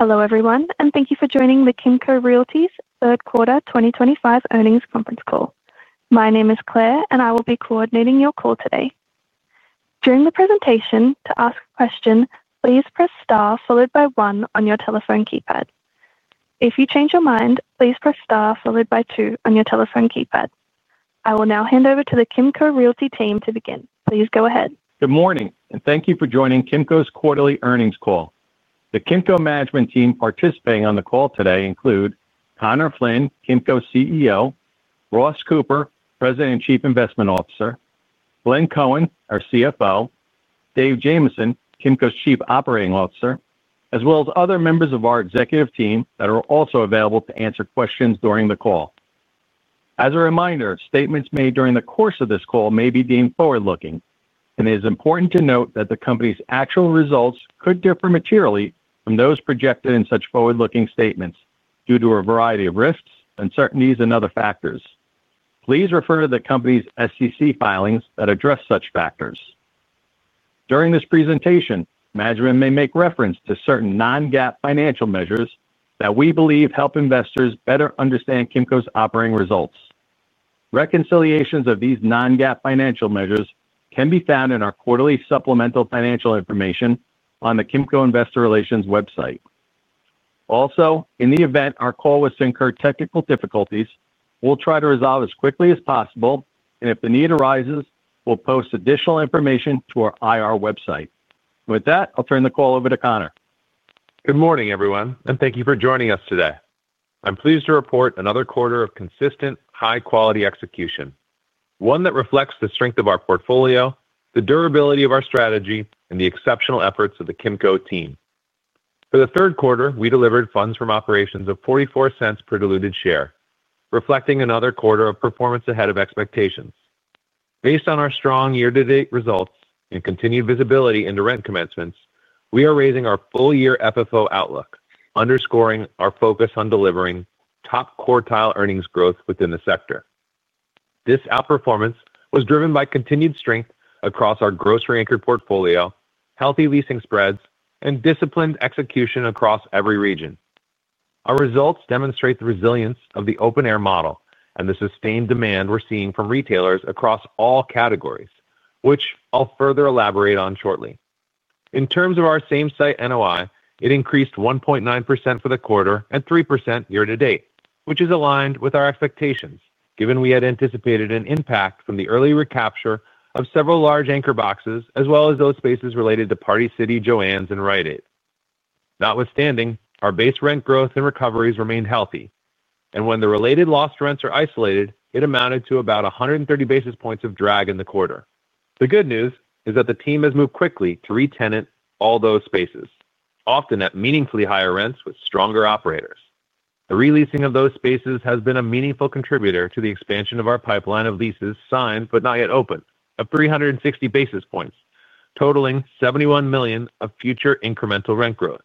Hello everyone and thank you for joining the Kimco Realty's third quarter 2025 earnings conference call. My name is Claire and I will be coordinating your call today. During the presentation, to ask a question, please press STAR followed by one on your telephone keypad. If you change your mind, please press STAR followed by two on your telephone keypad. I will now hand over to the Kimco Realty team to begin. Please go ahead. Good morning and thank you for joining Kimco Realty's quarterly earnings call. The Kimco Realty management team participating on the call today include Conor Flynn, Kimco Realty CEO, Ross Cooper, President and Chief Investment Officer, Glenn Cohen, our CFO, and Dave Jamieson, Chief Operating Officer, as well as other members of our executive team that are also available to answer questions during the call. As a reminder, statements made during the course of this call may be deemed forward looking, and it is important to note that the company's actual results could differ materially from those projected in such forward looking statements due to a variety of risks, uncertainties, and other factors. Please refer to the Company's SEC filings that address such factors. During this presentation, management may make reference to certain non-GAAP financial measures that we believe help investors better understand Kimco Realty's operating results. Reconciliations of these non-GAAP financial measures can be found in our Quarterly Supplemental Financial Information on the Kimco Investor Relations website. Also, in the event our call was to incur technical difficulties, we'll try to resolve as quickly as possible and if the need arises, we'll post additional information to our IR website. With that, I'll turn the call over to Conor. Good morning everyone and thank you for joining us today. I'm pleased to report another quarter of consistent, high quality execution, one that reflects the strength of our portfolio, the durability of our strategy, and the exceptional efforts of the Kimco Realty team. For the third quarter, we delivered funds from operations of $0.44 per diluted share, reflecting another quarter of performance ahead of expectations. Based on our strong year to date results and continued visibility into rent commencements, we are raising our full year FFO outlook, underscoring our focus on delivering top quartile earnings growth within the sector. This outperformance was driven by continued strength across our grocery-anchored portfolio, healthy leasing spreads, and disciplined execution across every region. Our results demonstrate the resilience of the open-air model and the sustained demand we're seeing from retailers across all categories, which I'll further elaborate on shortly. In terms of our same site NOI, it increased 1.9% for the quarter and 3% year to date, which is aligned with our expectations given we had anticipated an impact from the early recapture of several large anchor boxes as well as those spaces related to Party City, JOANN, and Rite Aid. Notwithstanding, our base rent growth and recoveries remained healthy, and when the related lost rents are isolated, it amounted to about 130 basis points of drag in the quarter. The good news is that the team has moved quickly to re-tenant all those spaces, often at meaningfully higher rents with stronger operators. The releasing of those spaces has been a meaningful contributor to the expansion of our pipeline of leases signed but not yet open of 360 basis points, totaling $71 million of future incremental rent growth.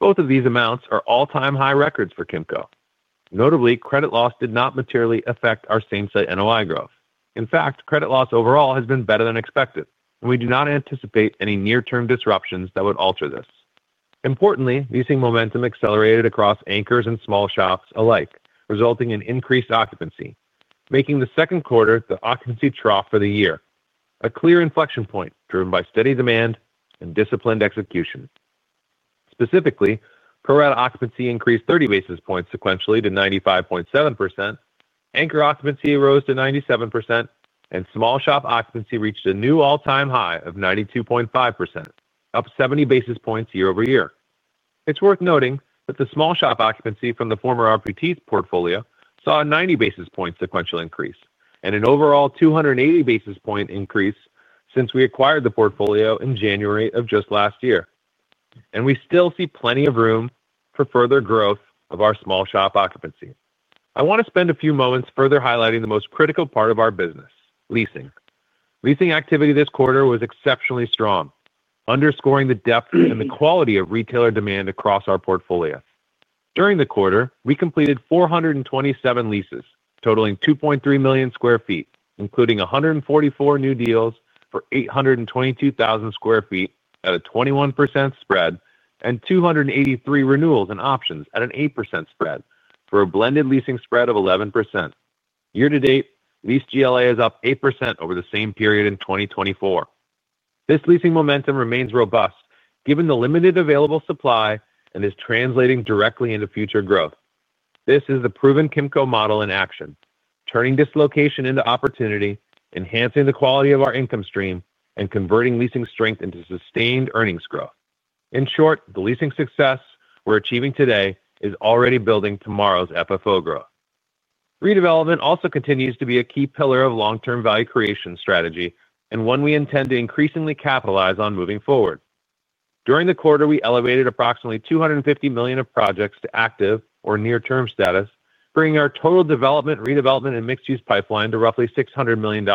Both of these amounts are all-time high records for Kimco Realty. Notably, credit loss did not materially affect our same site NOI growth. In fact, credit loss overall has been better than expected, and we do not anticipate any near term disruptions that would alter this. Importantly, leasing momentum accelerated across anchors and small shops alike, resulting in increased occupancy, making the second quarter the occupancy trough for the year, a clear inflection point driven by steady demand and disciplined execution. Specifically, pro rata occupancy increased 30 basis points sequentially to 95.7%, anchor occupancy rose to 97%, and small shop occupancy reached a new all-time high of 92.5%, up 70 basis points year over year. It's worth noting that the small shop occupancy from the former RPT portfolio saw a 90 basis point sequential increase and an overall 280 basis point increase since we acquired the portfolio in January of just last year, and we still see plenty of room for further growth of our small shop occupancy. I want to spend a few moments further highlighting the most critical part of our business: leasing. Leasing activity this quarter was exceptionally strong, underscoring the depth and the quality of retailer demand across our portfolio. During the quarter, we completed 427 leases totaling 2.3 million sq ft, including 144 new deals for 822,000 sq ft at a 21% spread and 283 renewals and options at an 8% spread for a blended leasing spread of 11% year to date. Leased GLA is up 8% over the same period in 2024. This leasing momentum remains robust given the limited available supply and is translating directly into future growth. This is the proven Kimco Realty model in action, turning dislocation into opportunity, enhancing the quality of our income stream, and converting leasing strength into sustained earnings growth. In short, the leasing success we're achieving today is already building tomorrow's FFO growth. Redevelopment also continues to be a key pillar of our long-term value creation strategy and one we intend to increasingly capitalize on moving forward. During the quarter, we elevated approximately $250 million of projects to active or near-term status, bringing our total development, redevelopment, and mixed-use pipeline to roughly $600 million.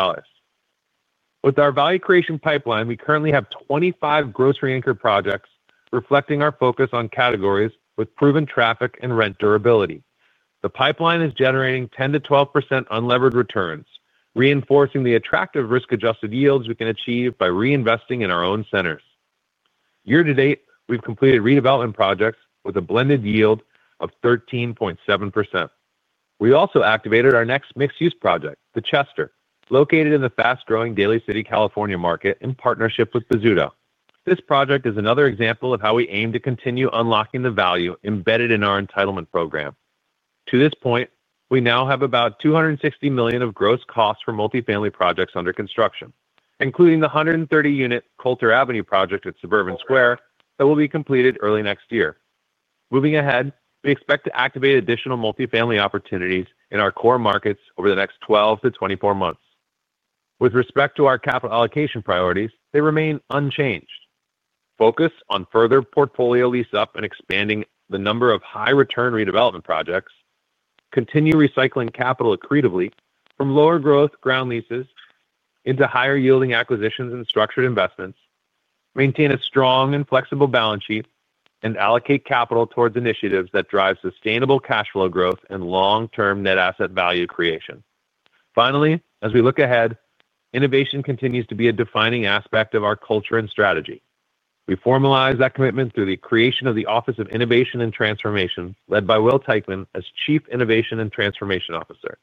With our value creation pipeline, we currently have 25 grocery-anchored projects reflecting our focus on categories with proven traffic and rent durability. The pipeline is generating 10%-12% unlevered returns, reinforcing the attractive risk-adjusted yields we can achieve by reinvesting in our own centers. Year to date, we've completed redevelopment projects with a blended yield of 13.7%. We also activated our next mixed-use project, The Chester, located in the fast-growing Daly City, California market in partnership with Bozzuto. This project is another example of how we aim to continue unlocking the value embedded in our entitlement program to this point. We now have about $260 million of gross costs for multifamily projects under construction, including the 130-unit Colter Avenue project at Suburban Square that will be completed early next year. Moving ahead, we expect to activate additional multifamily opportunities in our core markets over the next 12 to 24 months. With respect to our capital allocation priorities, they remain unchanged. Focus on further portfolio lease-up and expanding the number of high return redevelopment projects, continue recycling capital accretively from lower growth ground leases into higher yielding acquisitions and structured investments, maintain a strong and flexible balance sheet, and allocate capital towards initiatives that drive sustainable cash flow growth and long-term net asset value creation. Finally, as we look ahead, innovation continues to be a defining aspect of our culture and strategy. We formalize that commitment through the creation of the Office of Innovation and Transformation, led by Will Teichman as Chief Innovation and Transformation Officer.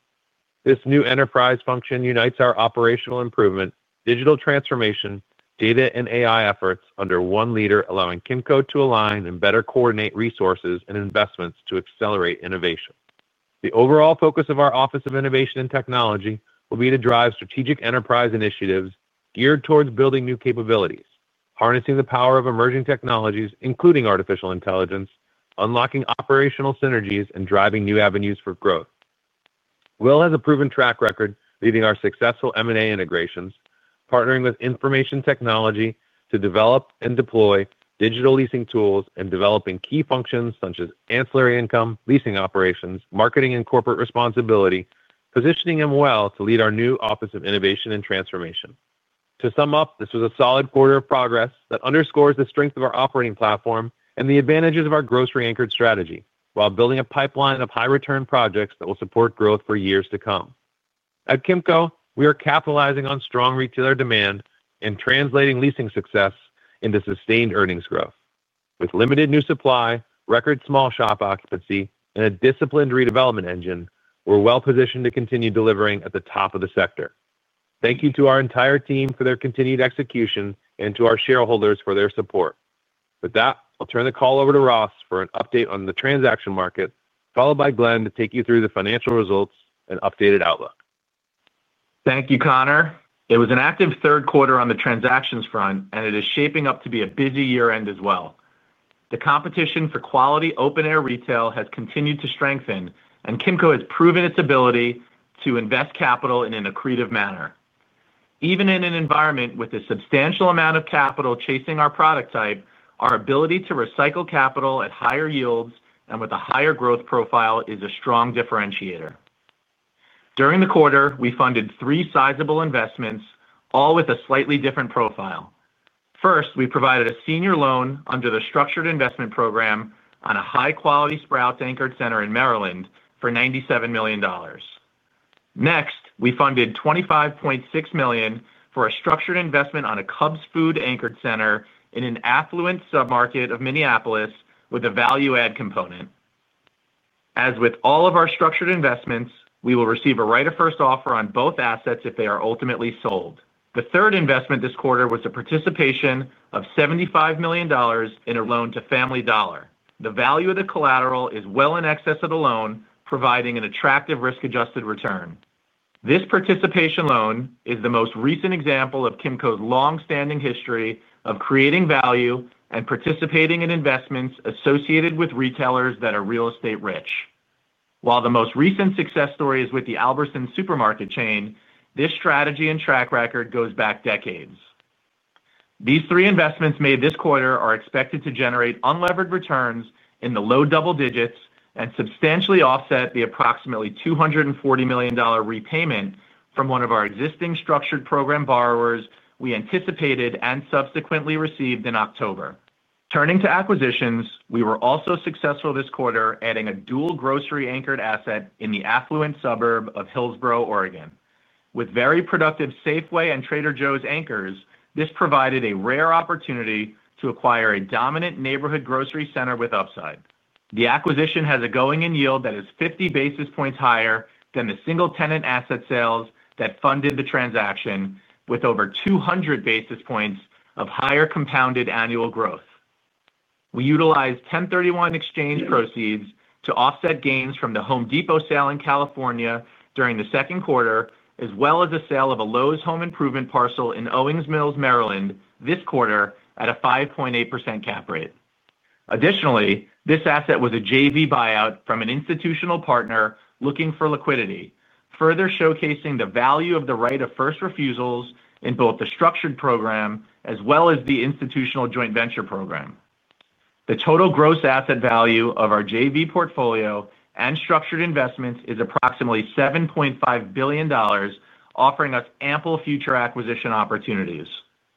This new enterprise function unites our operational improvement, digital transformation, data, and AI efforts under one leader, allowing Kimco Realty to align and better coordinate resources and investments to accelerate innovation. The overall focus of our Office of Innovation and Transformation will be to drive strategic enterprise initiatives geared towards building new capabilities, harnessing the power of emerging technologies including artificial intelligence, unlocking operational synergies, and driving new avenues for growth. Will has a proven track record leading our successful M&A integrations, partnering with information technology to develop and deploy digital leasing tools, and developing key functions such as ancillary income, leasing operations, marketing, and corporate responsibility, positioning him well to lead our new Office of Innovation and Transformation. To sum up, this was a solid quarter of progress that underscores the strength of our operating platform and the advantages of our grocery-anchored strategy while building a pipeline of high return projects that will support growth for years to come. At Kimco Realty, we are capitalizing on strong retailer demand and translating leasing success into sustained earnings growth. With limited new supply, record small shop occupancy, and a disciplined redevelopment engine, we're well positioned to continue delivering at the top of the sector. Thank you to our entire team for their continued execution and to our shareholders for their support. With that, I'll turn the call over to Ross for an update on the transaction market, followed by Glenn to take you through the financial results and updated outlook. Thank you Conor. It was an active third quarter on the transactions front and it is shaping up to be a busy year end as well. The competition for quality open-air retail has continued to strengthen and Kimco has proven its ability to invest capital in an accretive manner, even in an environment with a substantial amount of capital chasing our product type. Our ability to recycle capital at higher yields and with a higher growth profile is a strong differentiator. During the quarter we funded three sizable investments, all with a slightly different profile. First, we provided a senior loan under the structured investment program on a high quality Sprouts Farmers Market-anchored center in Maryland for $97 million. Next, we funded $25.6 million for a structured investment on a Cub Foods-anchored center in an affluent submarket of Minneapolis with a value add component. As with all of our structured investments, we will receive a right of first offer on both assets if they are ultimately sold. The third investment this quarter was a participation of $75 million in a loan to Family Dollar. The value of the collateral is well in excess of the loan, providing an attractive risk-adjusted return. This participation loan is the most recent example of Kimco's long standing history of creating value and participating in investments associated with retailers that are real estate rich. While the most recent success story is with the Albertsons supermarket chain, this strategy and track record goes back decades. These three investments made this quarter are expected to generate unlevered returns in the low double digits and substantially offset the approximately $240 million repayment from one of our existing structured program borrowers we anticipated and subsequently received in October. Turning to acquisitions, we were also successful this quarter adding a dual grocery-anchored asset in the affluent suburb of Hillsboro, Oregon with very productive Safeway and Trader Joe's anchors. This provided a rare opportunity to acquire a dominant neighborhood grocery center with upside. The acquisition has a going-in yield that is 50 basis points higher than the single tenant asset sales that funded the transaction with over 200 basis points of higher compounded annual growth. We utilized 1031 exchange proceeds to offset gains from the Home Depot sale in California during the second quarter, as well as the sale of a Lowe's Home Improvement parcel in Owings Mills, Maryland this quarter at a 5.8% cap rate. Additionally, this asset was a JV buyout from an institutional partner looking for liquidity, further showcasing the value of the right of first refusals in both the structured program as well as the Institutional Joint Venture program. The total gross asset value of our JV portfolio and structured investments is approximately $7.5 billion, offering us ample future acquisition opportunities.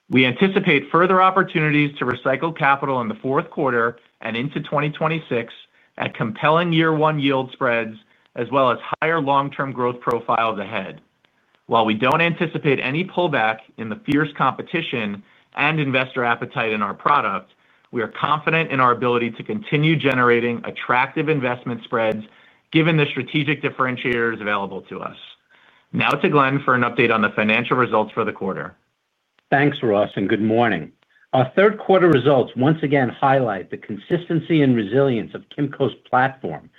We anticipate further opportunities to recycle capital in the fourth quarter and into 2026 at compelling year one yield spreads as well as higher long term growth profiles ahead. While we don't anticipate any pullback in the fierce competition and investor appetite in our product, we are confident in our ability to continue generating attractive investment spreads given the strategic differentiators available to us. Now to Glenn for an update on the financial results for the quarter. Thanks Ross and good morning. Our third quarter results once again highlight the consistency and resilience of Kimco Realty's platform,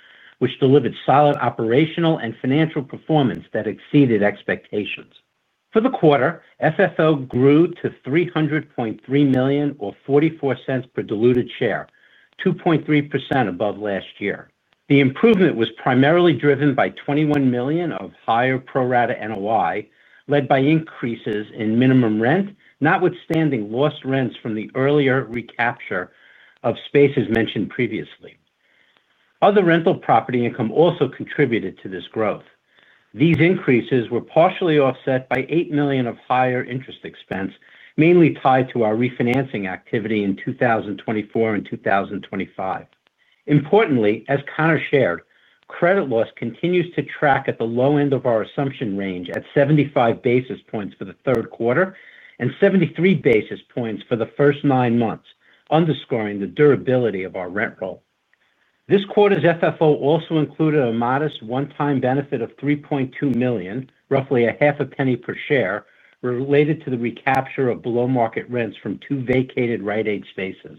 which delivered solid operational and financial performance that exceeded expectations for the quarter. FFO grew to $300.3 million or $0.44 per diluted share, 2.3% above last year. The improvement was primarily driven by $21 million of higher pro rata NOI, led by increases in minimum rent, notwithstanding lost rents from the earlier recapture of spaces mentioned previously. Other rental property income also contributed to this growth. These increases were partially offset by $8 million of higher interest expense, mainly tied to our refinancing activity in 2024 and 2025. Importantly, as Conor shared, credit loss continues to track at the low end of our assumption range at 75 basis points for the third quarter and 73 basis points for the first nine months. Underscoring the durability of our rent roll, this quarter's FFO also included a modest one-time benefit of $3.2 million, roughly half a penny per share, related to the recapture of below market rents from two vacated Rite Aid spaces.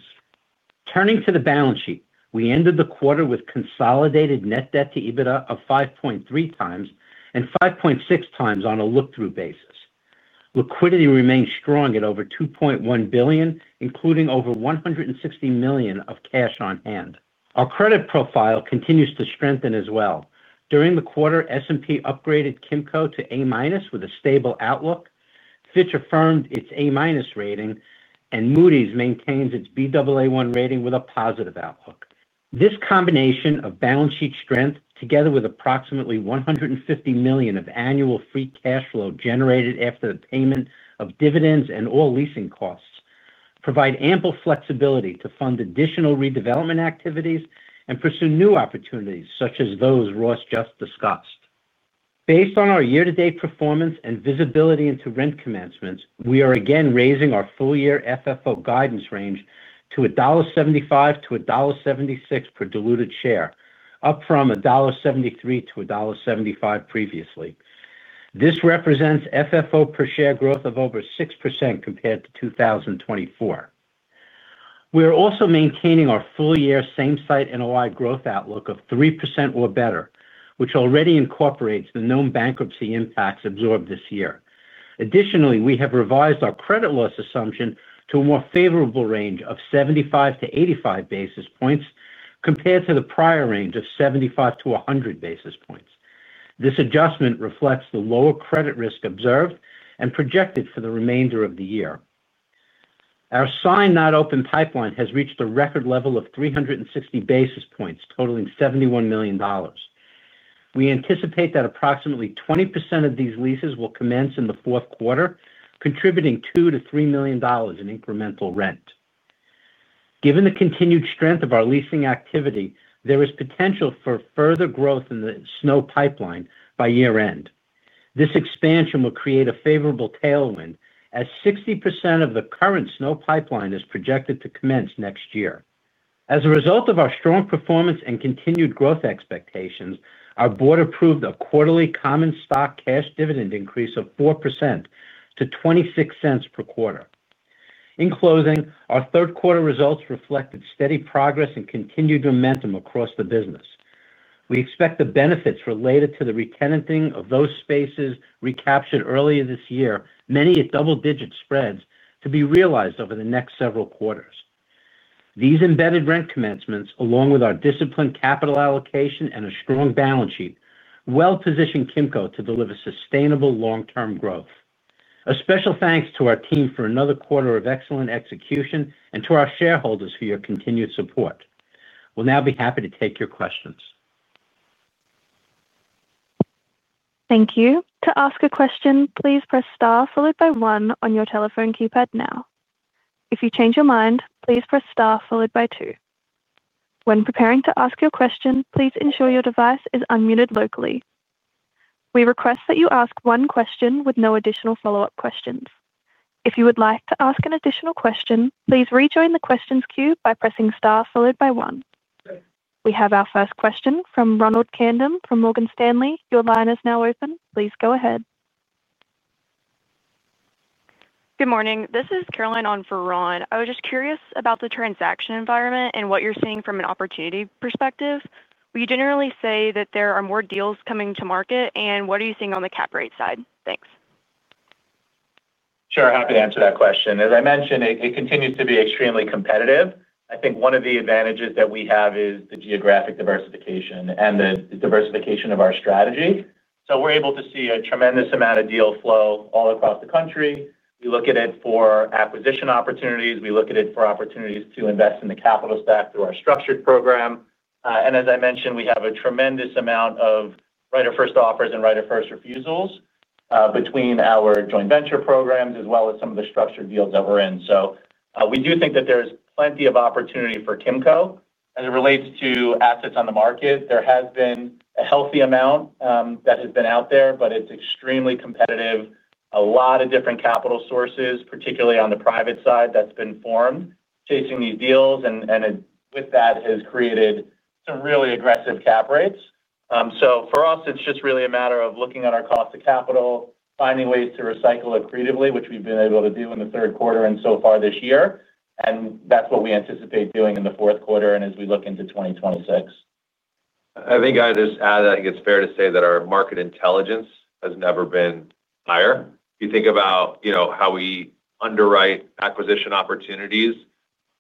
Turning to the balance sheet, we ended the quarter with consolidated net debt to EBITDA of 5.3x and 5.6x on a look-through basis. Liquidity remains strong at over $2.1 billion, including over $160 million of cash on hand. Our credit profile continues to strengthen as well. During the quarter, S&P upgraded Kimco Realty to A- with a stable outlook, Fitch affirmed its A- rating, and Moody's maintains its Baa1 rating with a positive outlook. This combination of balance sheet strength, together with approximately $150 million of annual free cash flow generated after the payment of dividends and all leasing costs, provides ample flexibility to fund additional redevelopment activities and pursue new opportunities such as those Ross just discussed. Based on our year-to-date performance and visibility into rent commencements, we are again raising our full year FFO guidance range to $1.75-$1.76 per diluted share, up from $1.73-$1.75 previously. This represents FFO per share growth of over 6% compared to 2024. We are also maintaining our full year same-site NOI growth outlook of 3% or better, which already incorporates the known bankruptcy impacts absorbed this year. Additionally, we have revised our credit loss assumption to a more favorable range of 75-85 basis points compared to the prior range of 75 to 100 basis points. This adjustment reflects the lower credit risk observed and projected for the remainder of the year. Our signed not open pipeline has reached a record level of 360 basis points totaling $71 million. We anticipate that approximately 20% of these leases will commence in the fourth quarter, contributing $2 million-$3 million in incremental rent. Given the continued strength of our leasing activity, there is potential for further growth in the SNO pipeline by year end. This expansion will create a favorable tailwind as 60% of the current SNO pipeline is projected to commence next year. As a result of our strong performance and continued growth expectations, our board approved a quarterly common stock cash dividend increase of 4% to $0.26 per quarter. In closing, our third quarter results reflected steady progress and continued momentum across the business. We expect the benefits related to the re-tenanting of those spaces recaptured earlier this year, many at double-digit spreads, to be realized over the next several quarters. These embedded rent commencements, along with our disciplined capital allocation and a strong balance sheet, well position Kimco Realty to deliver sustainable long-term growth. A special thanks to our team for another quarter of excellent execution and to our shareholders for your continued support. We'll now be happy to take your questions. Thank you. To ask a question, please press STAR followed by one on your telephone keypad. If you change your mind, please press STAR followed by two. When preparing to ask your question, please ensure your device is unmuted locally. We request that you ask one question with no additional follow-up questions. If you would like to ask an additional question, please rejoin the questions queue by pressing STAR followed by one. We have our first question from Ronald Kamdem from Morgan Stanley. Your line is now open. Please go ahead. Good morning, this is Caroline on for Ron. I was just curious about the transaction environment and what you're seeing from an opportunity perspective. We generally say that there are more deals coming to market, and what are you seeing on the cap rate side? Thanks. Sure. Happy to answer that question. As I mentioned, it continues to be extremely competitive. I think one of the advantages that we have is the geographic diversification and the diversification of our strategy. We are able to see a tremendous amount of deal flow all across the country. We look at it for acquisition opportunities, we look at it for opportunities to invest in the capital stack through our structured program. As I mentioned, we have a tremendous amount of right of first offers and right of first refusals between our joint venture programs as well as some of the structured deals that we are in. We do think that there is plenty of opportunity for Kimco Realty as it relates to assets on the market. There has been a healthy amount that has been out there, but it is extremely competitive. A lot of different capital sources, particularly on the private side that has been formed, are chasing these deals and with that has created some really aggressive cap rates. For us, it is just really a matter of looking at our cost of capital, finding ways to recycle accretively, which we have been able to do in the third quarter and so far this year. That is what we anticipate doing in the fourth quarter as we look into 2026. I think it's fair to say that our market intelligence has never been higher. You think about how we underwrite acquisition opportunities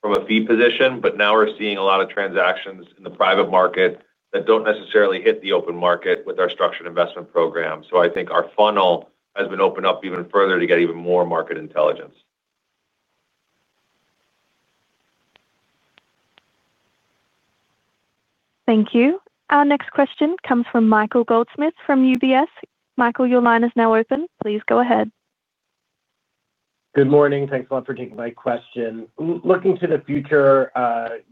from a fee position. Now we're seeing a lot of transactions in the private market that don't necessarily hit the open market with our structured investment program. I think our funnel has been opened up even further to get even more market intelligence. Thank you. Our next question comes from Michael Goldsmith from UBS. Michael, your line is now open. Please go ahead. Good morning. Thanks a lot for taking my question. Looking to the future,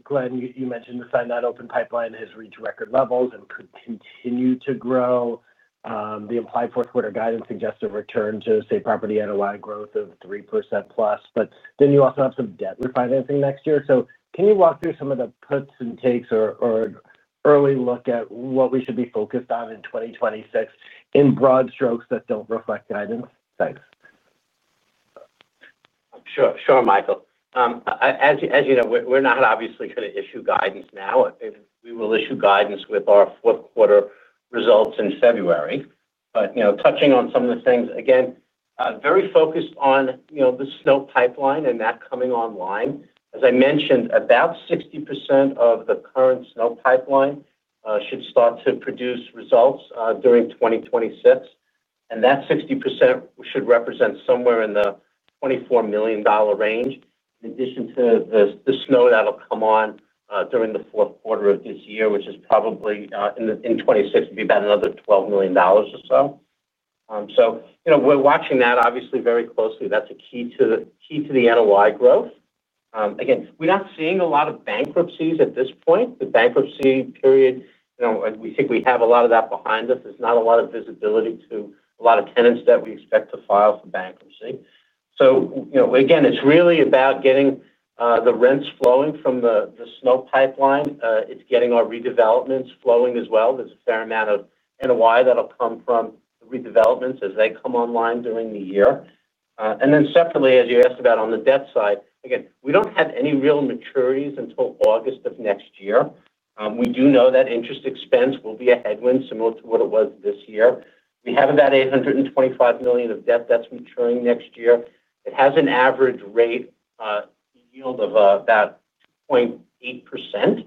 Glenn, you mentioned the sign that open pipeline has reached record levels and could continue to grow. The implied fourth quarter guidance suggests a return to, say, property NOI growth of 3% plus. You also have some debt refinancing next year. Can you walk through some of the puts and takes or early look at what we should be focused on in 2026 in broad strokes that don't reflect guidance? Thanks. Sure, Michael. As you know, we're not obviously going to issue guidance now. We will issue guidance with our fourth quarter results in February touching on some of the things, again, very focused on the SNO pipeline and that coming online, as I mentioned, about 60% of the current SNO pipeline should start to produce results during 2026. That 60% should represent somewhere in the $24 million range. In addition to the SNO that will come on during the fourth quarter of this year, which is probably in 2024, we've been another $12 million or so. We're watching that obviously very closely. That's a key to the NOI growth. Again, we're not seeing a lot of bankruptcies at this point. The bankruptcy period, we think we have a lot of that behind us. There's not a lot of visibility to a lot of tenants that we expect to file for bankruptcies. You know, again, it's really about getting the rents flowing from the SNO pipeline. It's getting our redevelopments flowing as well. There's a fair amount of NOI that'll come from redevelopments as they come online during the year. Separately, as you asked about on the debt side, again, we don't have any real maturities until August of next year. We do know that interest expense will be a headwind similar to what it was this year. We have about $825 million of debt that's maturing next year. It has an average rate yield of about 0.8%.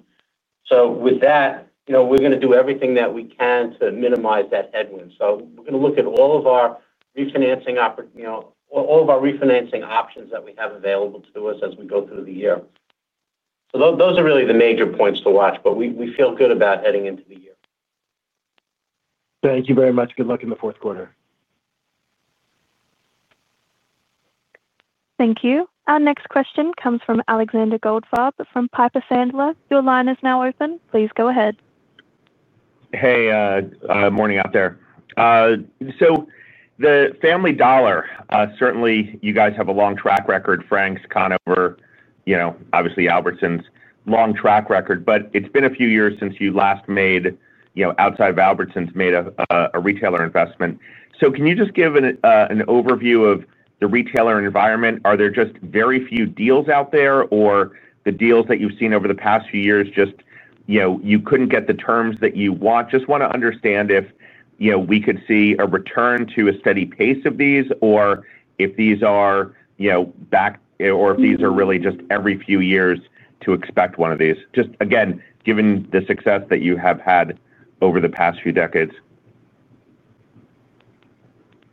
With that, you know, we're going to do everything that we can to minimize that headwind. We are going to look at all of our refinancing, all of our refinancing options that we have available to us as we go through the year. Those are really the major points to watch, we feel good about heading into the year. Thank you very much. Good luck in the fourth quarter. Thank you. Our next question comes from Alexander Goldfarb from Piper Sandler. Your line is now open. Please go ahead. Hey, morning out there. The Family Dollar, certainly you guys have a long track record. Franks Conover, you know, obviously Albertsons long track record, but it's been a few years since you last made, outside of Albertsons, made a retailer investment. Can you just give an overview of the retailer environment? Are there just very few deals out there or are the deals that you've seen over the past few years you couldn't get the terms that you want? I just want to understand if we could see a return to a steady pace of these or if these are, you know, back, or if these are really just every few years to expect one of these again, given the success that you have had over the past few decades.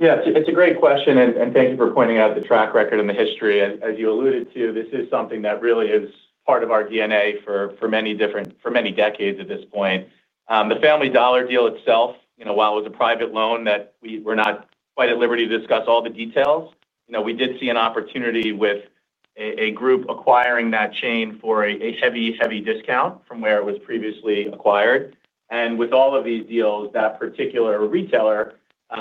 Yeah, it's a great question and thank you for pointing out the track record and the history as you alluded to. This is something that really is part of our DNA for many decades at this point. The Family Dollar deal itself, while it was a private loan that we were not quite at liberty to discuss all the details, we did see an opportunity with a group acquiring that chain for a heavy, heavy discount from where it was previously acquired. With all of these deals, that particular retailer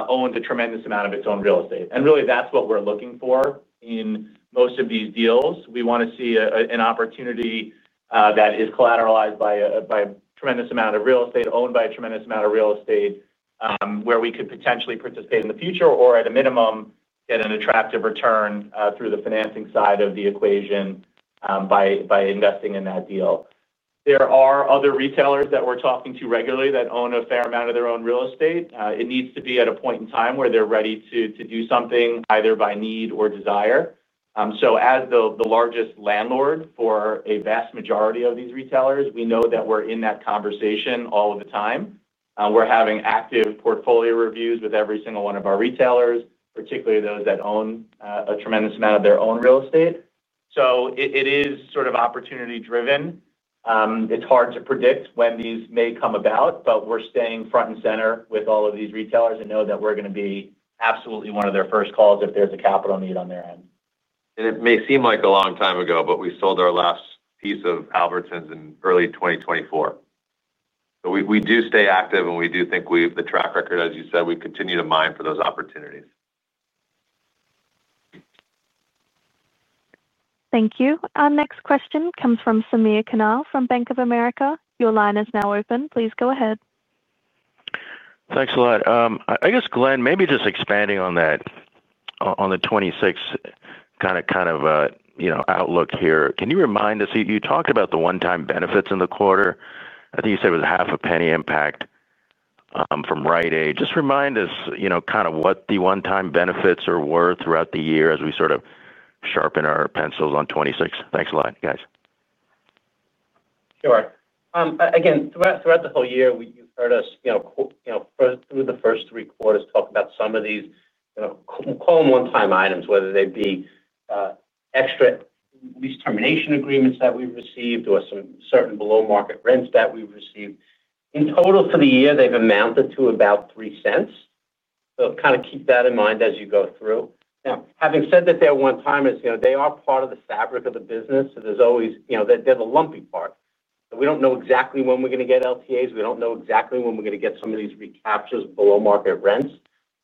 owned a tremendous amount of its own real estate. Really that's what we're looking for in most of these deals. We want to see an opportunity that is collateralized by a tremendous amount of real estate owned by a tremendous amount of real estate where we could potentially participate in the future or at a minimum, get an attractive return through the financing side of the equation by investing in that deal. There are other retailers that we're talking to regularly that own a fair amount of their own real estate. It needs to be at a point in time where they're ready to do something either by need or desire. As the largest landlord for a vast majority of these retailers, we know that we're in that conversation all of the time. We're having active portfolio reviews with every single one of our retailers, particularly those that own a tremendous amount of their own real estate. It is sort of opportunity driven. It's hard to predict when these may come about, but we're staying front and center with all of these retailers and know that we're going to be absolutely one of their first calls if there's a capital need on their end. It may seem like a long time ago, but we sold our last piece of Albertsons in early 2024. We do stay active, and we do think we have the track record. As you said, we continue to mine for those opportunities. Thank you. Our next question comes from Samir Khanal from BofA Securities. Your line is now open. Please go ahead. Thanks a lot. I guess, Glenn, maybe just expanding on that on the 2026 kind of outlook here. Can you remind us, you talked about the one-time benefits in the quarter. I think you said it was a $0.005 impact from Rite Aid. Just remind us kind of what the one-time benefits are worth throughout the year as we sort of sharpen our pencils on 2026. Thanks a lot, guys. Sure. Again, throughout the whole year you've heard us through the first three quarters talk about some of these, call them one-time items, whether they be extra lease termination agreements that we've received or some certain below market rents that we've received. In total for the year they've amounted to about $0.03. Kind of keep that in mind as you go through. Now, having said that, they're one-time, you know, they are part of the fabric of the business. There's always, you know, they're the lumpy part. We don't know exactly when we're going to get LTA's. We don't know exactly when we're going to get some of these recaptures below market rents,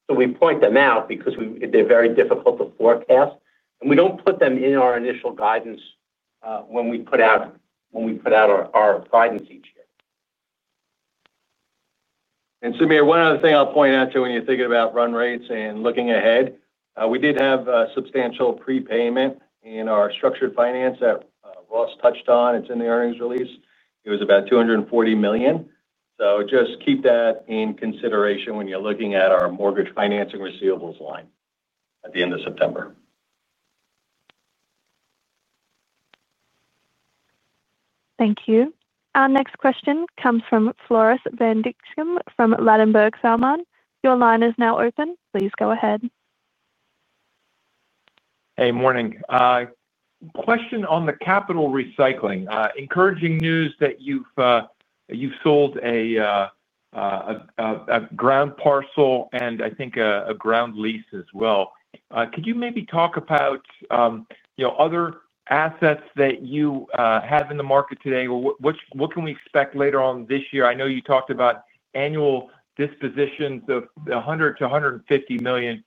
we point them out because they're very difficult to forecast, and we don't put them in our initial guidance. We put out when we put out our guidance each year. Samir, one other thing I'll point when you're thinking about run rates and looking ahead, we did have substantial prepayment in our structured finance that Ross touched on. It's in the earnings release, it was about $240 million. Keep that in consideration when you're looking at our mortgage financing receivables line at the end of September. Thank you. Our next question comes from Floris van Dijkum from Ladenburg Thalmann. Your line is now open. Please go ahead. Hey, morning. Question on the capital recycling. Encouraging news that you've sold a ground parcel, and I think a ground lease as well. Could you maybe talk about, you know, other assets that you have in the market today? What can we expect later on this year? I know you talked about annual dispositions of $100 million to $150 million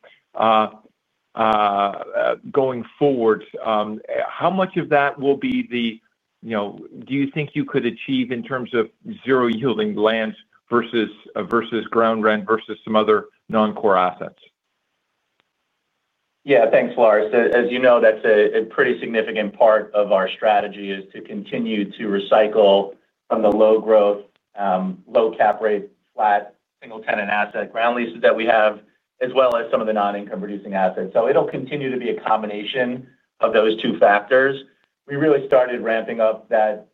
going forward. How much of that will be the do you think you could achieve in terms of 0 yielding lands vs. ground rent vs. some other non-core assets? Thanks, Floris. As you know, that's a pretty significant part of our strategy, to continue to recycle from the low-growth, low cap rate, flat single tenant asset ground leases that we have, as well as some of the non-income producing assets. It will continue to be a combination of those two factors. We really started ramping up that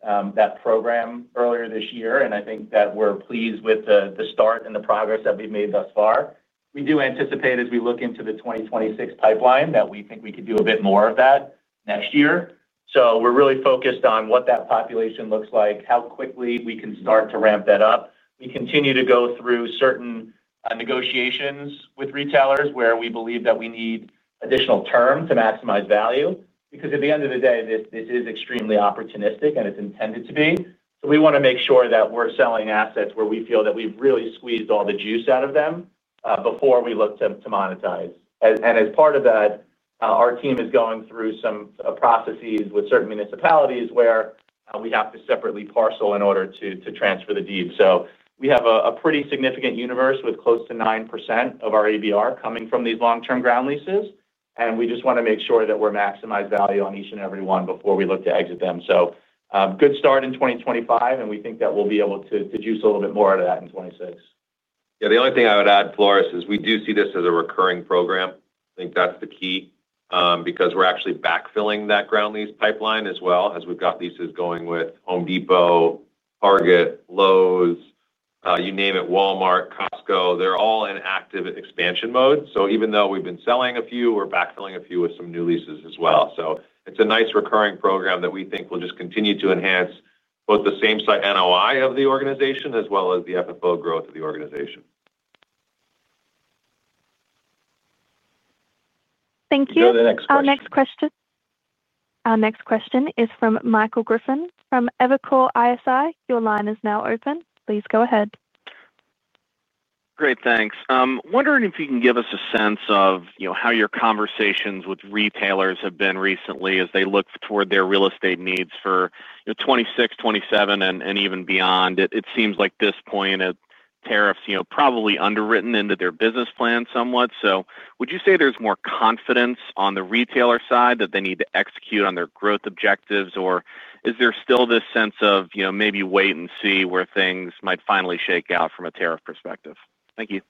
program earlier this year, and I think that we're pleased with the start and the progress that we've made thus far. We do anticipate, as we look into the 2026 pipeline, that we think we could do a bit more of that next year. We're really focused on what that population looks like and how quickly we can start to ramp that up. We continue to go through certain negotiations with retailers where we believe that we need additional term to maximize value, because at the end of the day this is extremely opportunistic and it's intended to be. We want to make sure that we're selling assets where we feel that we've really squeezed all the juice out of them before we look to monetize. As part of that, our team is going through some processes with certain municipalities where we have to separately parcel in order to transfer the deed. We have a pretty significant universe, with close to 9% of our ABR coming from these long-term ground leases, and we just want to make sure that we've maximized value on each and every one before we look to exit them. Good start in 2025, and we think that we'll be able to juice a little bit more out of that in 2026. Yeah. The only thing I would add, Floris, is we do see this as a recurring program. I think that's the key because we're actually backfilling that ground lease pipeline as well as we've got leases going with Home Depot, Target, Lowe's, you name it, Walmart, Costco, they're all in active expansion mode. Even though we've been selling a few, we're backfilling a few with some new leases as well. It's a nice recurring program that we think will just continue to enhance both the same site NOI of the organization as well as the FFO growth of the organization. Thank you. Our next question is from Michael Griffin from Evercore ISI. Your line is now open. Please go ahead. Great, thanks. Wondering if you can give us a sense of how your conversations with retailers have been recently as they look toward their real estate needs for 2026, 2027 and even beyond. It seems like at this point tariffs are probably underwritten into their business plan somewhat. Would you say there's more confidence on the retailer side that they need to execute on their growth objectives, or is there still this sense of maybe wait and see where things might finally shake out from a tariff perspective? Thank you.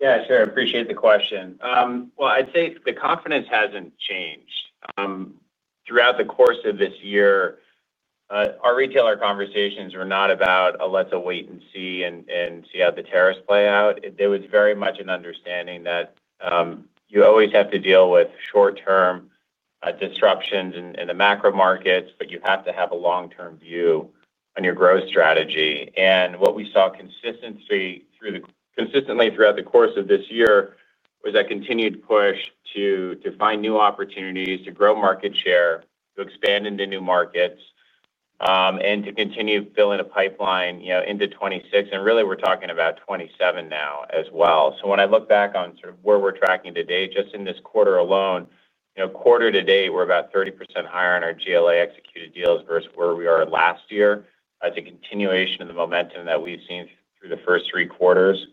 Yeah, sure. I appreciate the question. I'd say the confidence hasn't changed throughout the course of this year. Our retailer conversations were not about let's wait and see and see how the tariffs play out. There was very much an understanding that you always have to deal with short-term disruptions in the macro markets, but you have to have a long-term view on your growth strategy. What we saw consistently throughout the course of this year was that continued push to find new opportunities to grow market share, to expand into new markets, and to continue filling a pipeline into 2026. We're really talking about 2027 now as well. When I look back on where we're tracking today, just in this quarter alone, quarter to date, we're about 30% higher on our GLA executed deals versus where we were last year as a continuation of the momentum that we've seen through the first three quarters.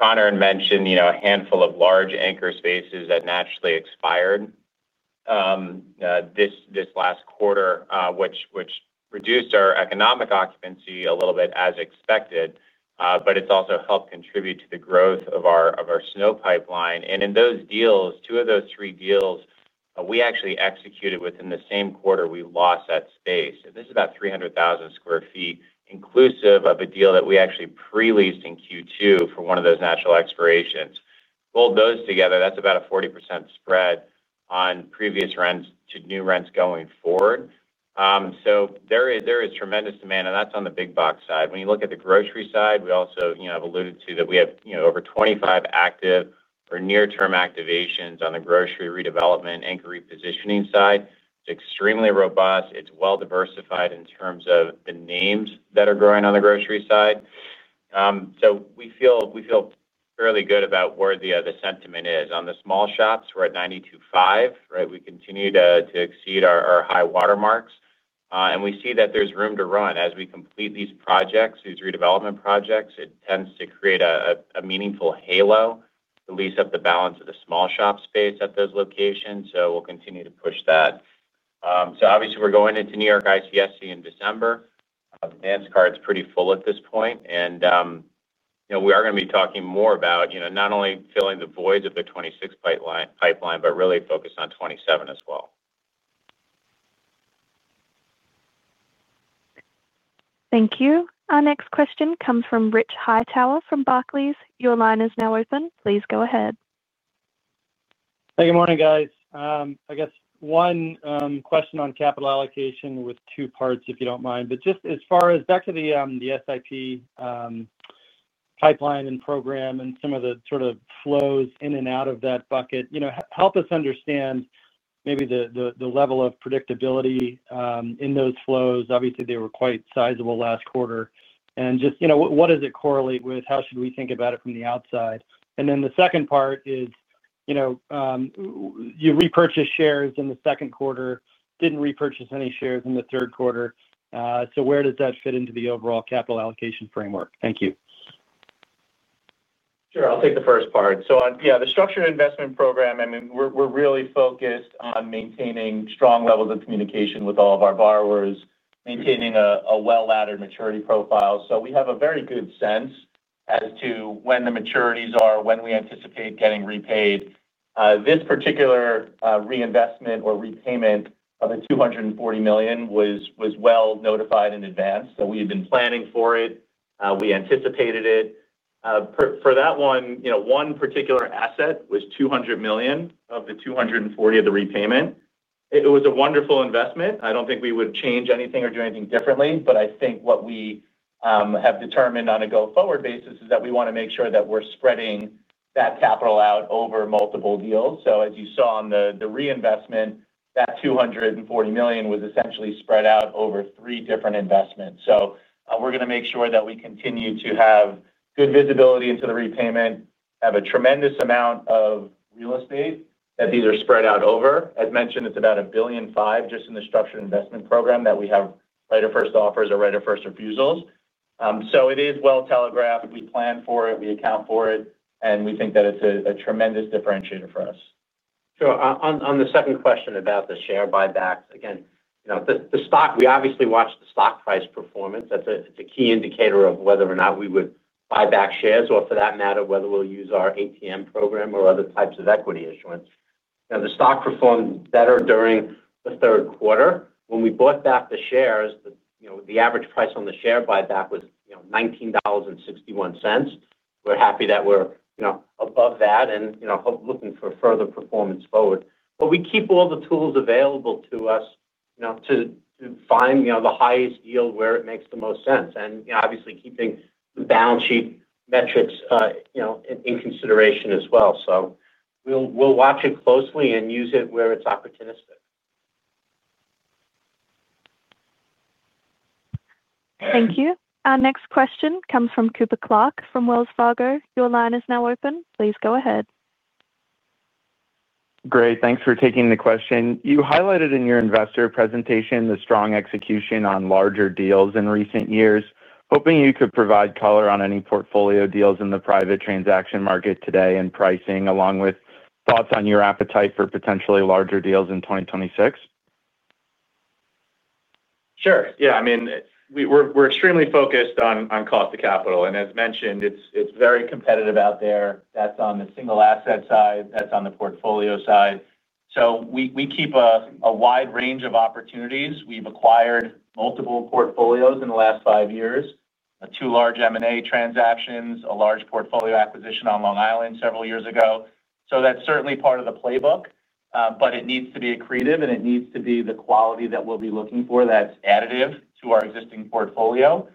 Conor had mentioned a handful of large anchor spaces that naturally expired this last quarter, which reduced our economic occupancy a little bit, as expected. It also helped contribute to the growth of our SNO pipeline. In those deals, two of those three deals we actually executed within the same quarter we lost that space. This is about 300,000 sq ft inclusive of a deal that we actually pre-leased in Q2 for one of those natural expirations. All those together, that's about a 40% spread on previous rents to new rents going forward. There is tremendous demand and that's on the big box side. When you look at the grocery side, we also have alluded to that we have over 25 active or near-term activations on the grocery redevelopment, anchor repositioning side. Extremely robust. It's well diversified in terms of the names that are growing on the grocery side. We feel fairly good about where the other sentiment is on the small shops. We're at 92.5%. We continue to exceed our high water marks and we see that there's room to run as we complete these projects, these redevelopment projects. It tends to create a meaningful halo, at least up the balance of the small shop space at those locations. We'll continue to push that. Obviously, we're going into New York ICSC in December. Nance card is pretty full at this point and we are going to be talking more about not only filling the voids of the 2026 pipeline, but really focus on 2027 as well. Thank you. Our next question comes from Rich Hightower from Barclays. Your line is now open. Please go ahead. Hey, good morning, guys. I guess one question on capital allocation with two parts, if you don't mind. As far as back to the SIP pipeline and program and some of the sort of flows in and out of that bucket, help us understand maybe the level of predictability in those flows. Obviously, they were quite sizable last quarter. Just, what does it correlate with? How should we think about it from the outside? The second part is, you know, you repurchase shares in the second quarter, didn't repurchase any shares in the third quarter. Where does that fit into the overall capital allocation framework? Thank you. Sure. I'll take the first part. The structured investment program, I mean we're really focused on maintaining strong levels of communication with all of our borrowers, maintaining a well-laddered maturity profile. We have a very good sense of as to when the maturities are, when we anticipate getting repaid. This particular reinvestment or repayment of the $240 million was well notified in advance that we had been planning for it. We anticipated it for that one, you know, one particular asset was $200 million of the $240 million of the repayment. It was a wonderful investment. I don't think we would change anything or do anything differently. I think what we have determined on a go forward basis is that we want to make sure that we're spreading that capital out over multiple deals. As you saw on the reinvestment, that $240 million was essentially spread out over three different investments. We're going to make sure that we continue to have good visibility into the repayment, have a tremendous amount of real estate that these are spread out over. As mentioned, it's about $1.5 billion just in the structured investment program that we have right of first offers or right of first refusals. It is well telegraphed. We plan for it, we account for it and we think that it's a tremendous differentiator for us. Sure. On the second question about the share buybacks, again, the stock, we obviously watch the stock price performance. That's a key indicator of whether or not that we would buy back shares for that matter, whether we'll use our ATM program or other types of equity issuance, the stock performed better during the third quarter when we bought back the shares. The average price on the share buyback was $19.61. We're happy that we're above that and looking for further performance forward. We keep all the tools available.o us, to find the highest yield where it makes the most sense and obviously keeping the balance sheet metrics in consideration as well. We'll watch it closely and use it where it's opportunistic. Thank you. Our next question comes from Cooper Clark from Wells Fargo. Your line is now open. Please go ahead. Great. Thanks for taking the question. You highlighted in your investor presentation the strong execution on larger deals in recent years. Hoping you could provide color on any portfolio deals in the private transaction market today and pricing, along with thoughts on your appetite for potentially larger deals in 2026. Sure, yeah. I mean we're extremely focused on cost of capital, and as mentioned, it's very competitive out there. That's on the single asset side, that's on the portfolio side. We keep a wide range of opportunities. We've acquired multiple portfolios in the last five years, two large M&A transactions, a large portfolio acquisition on Long Island several years ago. That's certainly part of the playbook, but it needs to be accretive and it needs to be the quality that we'll be looking for that's additive to our existing portfolio.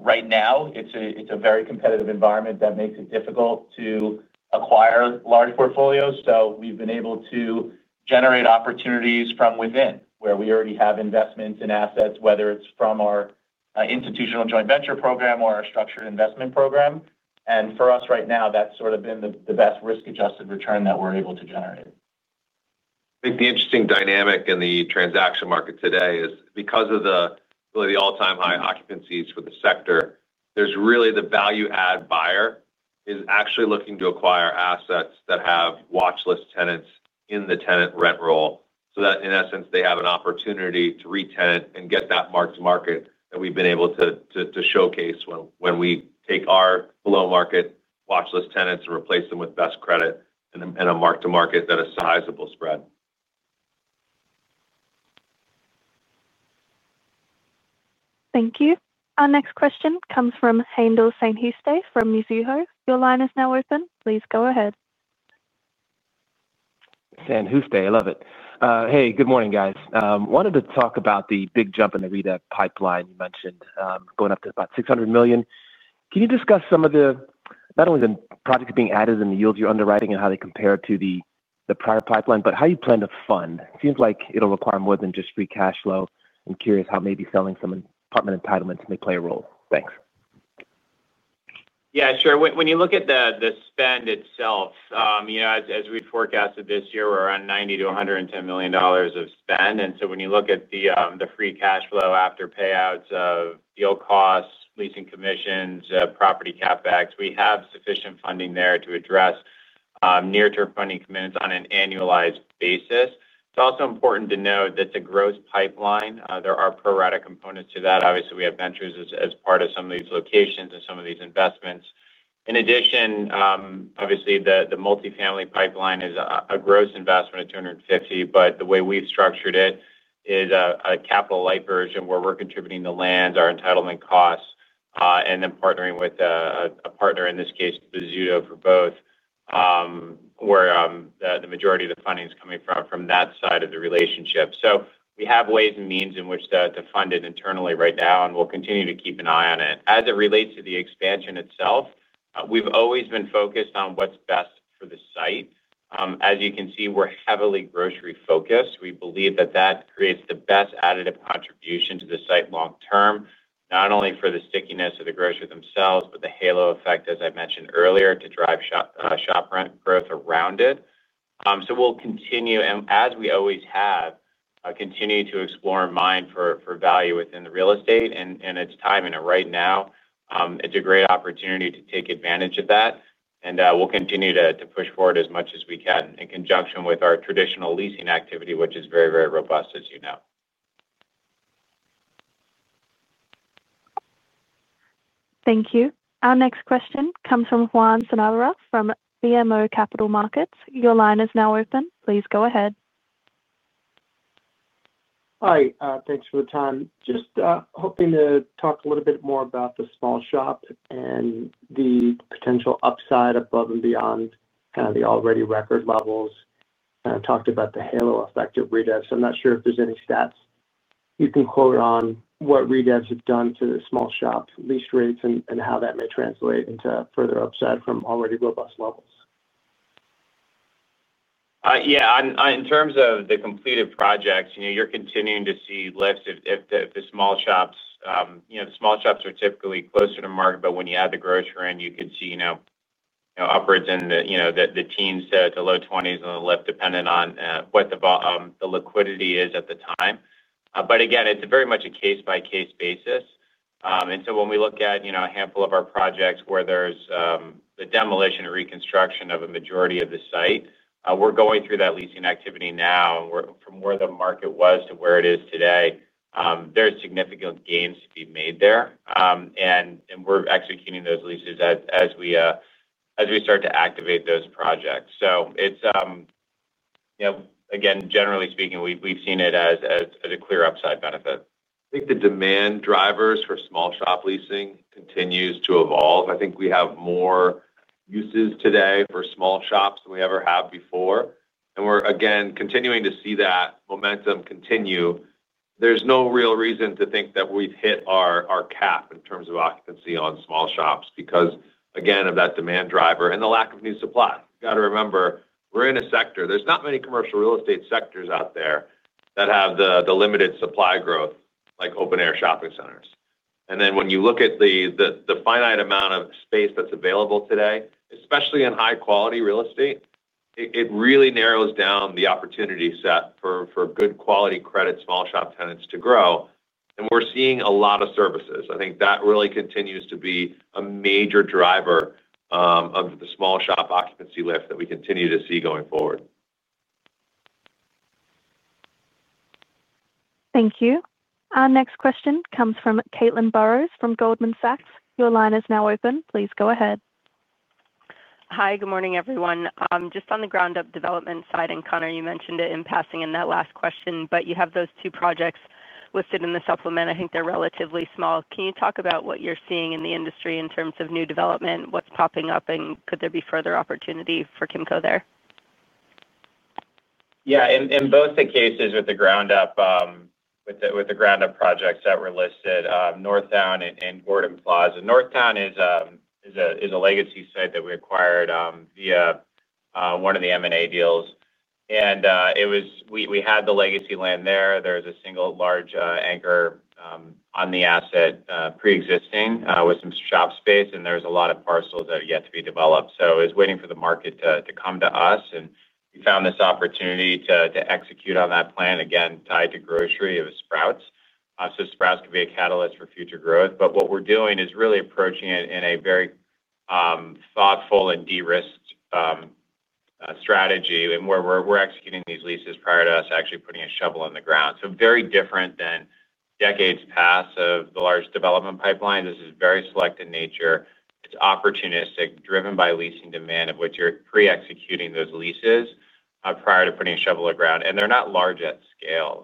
Right now, it's a very competitive environment that makes it difficult to acquire large portfolios. We've been able to generate opportunities from within where we already have investments in assets, whether it's from our institutional joint venture program or our structured investment program. For us right now, that's sort of been the best risk-adjusted return that we're able to generate. I think the interesting dynamic in the transaction market today is because of the really all-time high occupancies for the sector, there's really the value add buyer is actually looking to acquire assets that have watch list tenants in the tenant rent roll, so that in essence they have an opportunity to retenant and get that mark to market that we've been able to showcase. When we take our below market watch list tenants and replace them with best credit and a mark to market, that a sizable spread. Thank you. Our next question comes from Haendel Saint Juste from Mizuho. Your line is now open. Please go ahead. Saint Juste. I love it. Hey, good morning guys. Wanted to talk about the big jump in the REDEP pipeline, you mentioned going up to about $600 million. Can you discuss some of the not only the projects being added and the yields you're underwriting and how they compare to the prior pipeline, how you plan to fund seems like it'll require more than just free cash flow. I'm curious how maybe selling some apartment entitlements may play a role. Thanks. Yeah, sure. When you look at the spend itself, as we forecasted this year, we're around $90 million-$110 million of spend. When you look at the free cash flow after payouts of deal costs, leasing commissions, property CapEx, we have sufficient funding there to address near-term funding commitments on an annualized basis. It's also important to note that the growth pipeline, there are pro rata components to that. Obviously, we have ventures as part of some of these locations and some of these investments in addition. Obviously, the multifamily pipeline is a gross investment of $250 million, but the way we structured it is a capital-light version where we're contributing the land, our entitlement costs, and then partnering with a partner, in this case, Bozzuto for both, where the majority of the funding is coming from that side of the relationship. We have ways and means in which to fund it internally right now and we'll continue to keep an eye on it as it relates to the expansion itself. We've always been focused on what's best for the site. As you can see, we're heavily grocery focused. We believe that that creates the best additive contribution to the site long term, not only for the stickiness of the grocery themselves, but the halo effect, as I mentioned earlier, to drive shop rent growth around it. We'll continue and, as we always have, continue to explore and mine for value within the real estate. It's time right now. It's a great opportunity to take advantage of that and we'll continue to push forward as much as we can in conjunction with our traditional leasing activity, which is very, very robust, as you know. Thank you. Our next question comes from Juan Sanabria from BMO Capital Markets. Your line is now open. Please go ahead. Hi, thanks for the time. Just hoping to talk a little bit more about the small shop and the potential upside above and beyond the already record levels talked about the halo effect of redevs. I'm not sure if there's any stats you can quote on what redevs have done to the small shop lease rates and how that may translate into further upside from already robust levels. Yeah, in terms of the completed projects, you're continuing to see lifts if the small shops. Small shops are typically closer to market, but when you add the grocer, you could see upwards in the teens to low 20% in lift depending on what the liquidity is at the time. It is very much a case by case basis. When we look at a handful of our projects where there's the demolition and reconstruction of a majority of the site, we're going through that leasing activity now from where the market was to where it is today. There are significant gains to be made there, and we're executing those leases as we start to activate those projects. Generally speaking, we've seen it as a clear upside benefit. I think the demand drivers for small shop leasing continue to evolve. I think we have more uses today for small shops than we ever have before, and we're again continuing to see that momentum continue. There's no real reason to think that we've hit our cap in terms of occupancy on small shops because, again, of that demand driver and the lack of new supply. You have to remember, we're in a sector where there are not many commercial real estate sectors out there that have the limited supply growth like open-air shopping centers. When you look at the finite amount of space that's available today, especially in high-quality real estate, it really narrows down the opportunity set for good quality credit small shop tenants to grow. We're seeing a lot of services. I think that really continues to be a major driver of the small shop occupancy lift that we continue to see going forward. Thank you. Our next question comes from Caitlin Burrows from Goldman Sachs. Your line is now open. Please go ahead. Hi, good morning everyone. Just on the ground up development side. Conor, you mentioned it in passing in that last question, but you have those two projects listed in the supplement. I think they're relatively small. Can you talk about what you're seeing in the industry in terms of new development? What's popping up and could there be further opportunity for Kimco there? Yeah, in both the cases with the ground up, with the ground up projects that were listed, Northtown and Gordon Plaza. Northtown is a legacy site that we acquired via one of the M&A deals and we had the legacy land there. There's a single large anchor on the asset preexisting with some shop space, and there's a lot of parcels that are yet to be developed. It's waiting for the market to come to us, and we found this opportunity to execute on that plan again tied to grocery of Sprouts. Sprouts could be a catalyst for future growth. What we're doing is really approaching it in a very thoughtful and de-risked strategy where we're executing these leases prior to us actually putting a shovel in the ground. This is very different than decades past of the large development pipeline. This is very select in nature. It's opportunistic, driven by leasing demand of what you're prepared, executing those leases prior to putting shovel aground. They're not large at scale.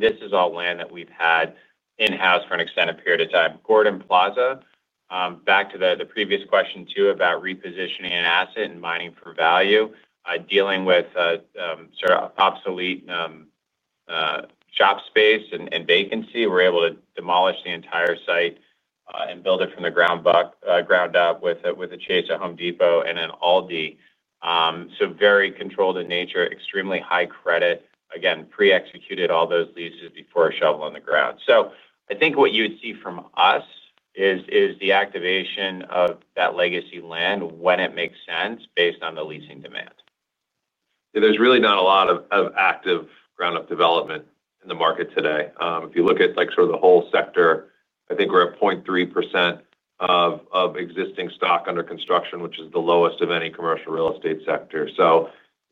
This is all land that we've had in house for an extended period of time. Gordon Plaza. Back to the previous question too about repositioning an asset and mining for value, dealing with sort of obsolete shop space and vacancy. We are able to demolish the entire site and build it from the ground up with a Chase, a Home Depot, and an Aldi. It is very controlled in nature, extremely high credit. Again, pre-executed all those leases before a shovel on the ground. I think what you would see from us is the activation of that legacy land when it makes sense based on the leasing demand. There's really not a lot of active ground up development in the market today. If you look at like sort of the whole sector, I think we're at 0.3% of existing stock under construction, which is the lowest of any commercial real estate sector.